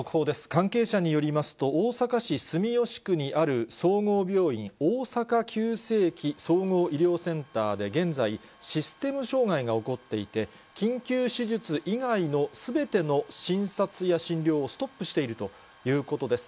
関係者によりますと、大阪市住吉区にある総合病院、大阪急性期・総合医療センターで現在、システム障害が起こっていて、緊急手術以外のすべての診察や診療をストップしているということです。